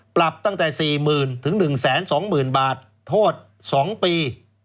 ปรับตั้งแต่๔หมื่นถึง๑แสน๒หมื่นบาทโทษ๒ปี